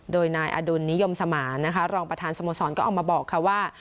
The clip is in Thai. โดยนายอดุลนิยมสมานนะคะรองประธานสโมสรก็ออกมาบอกค่ะว่า